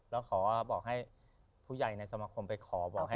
และเขาคำบอกให้ผู้ใหญ่ในสมัครไปขอ